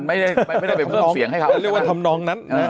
ไม่ได้เป็นพูดเสียงให้เขา